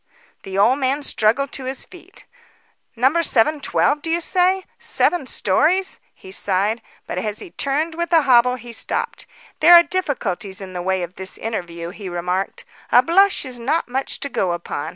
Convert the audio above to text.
The old man struggled to his feet. "No. 712, do you say? Seven stories," he sighed. But as he turned with a hobble, he stopped. "There are difficulties in the way of this interview," he remarked. "A blush is not much to go upon.